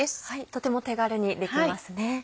とても手軽にできますね。